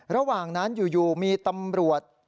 ระหว่างนั้นอยู่มีตำรวจ